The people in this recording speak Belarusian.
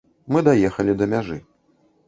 Мы даехалі да мяжы.